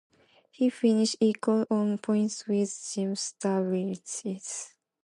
He finished equal on points with Jim Stavrides.